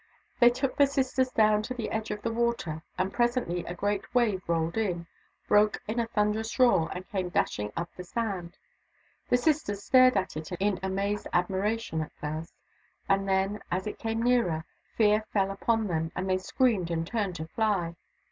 They took the sisters down to the edge of the water, and presently a great wave rolled in, broke in a thunderous roar, and came dashing up the sand. The sisters stared at it in amazed admiration at first, and then, as it came nearer. Fear fell upon them, and they screamed and turned to fly.